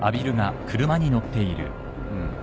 うん。